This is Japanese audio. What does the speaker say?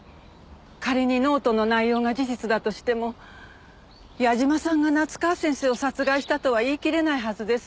仮にノートの内容が事実だとしても矢嶋さんが夏河先生を殺害したとは言い切れないはずです。